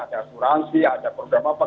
ada asuransi ada program apa